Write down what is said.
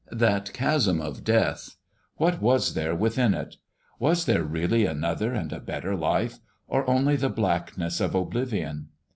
That chasm of death! What was there within it? Was there really another and a better life, or only the blackness of oblivion?